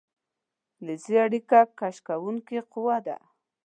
فلزي اړیکه کش کوونکې قوه ده.